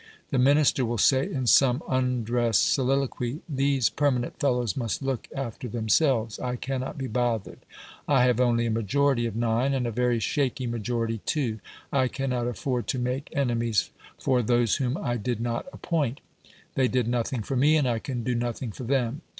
The Minister will say in some undress soliloquy, "These permanent 'fellows' must look after themselves. I cannot be bothered. I have only a majority of nine, and a very shaky majority, too. I cannot afford to make enemies for those whom I did not appoint. They did nothing for me, and I can do nothing for them."